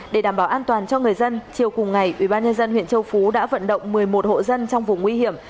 để đảm bảo an toàn cho người dân chiều cùng ngày ubnd huyện châu phú đã vận động một mươi một hộ dân trong vùng nguy hiểm